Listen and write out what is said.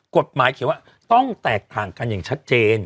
กฎหมายเขียนว่าต้องแตกต่างกันอย่างชัดเจน